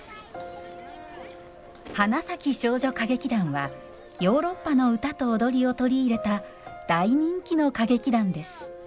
花咲少女歌劇団はヨーロッパの歌と踊りを取り入れた大人気の歌劇団です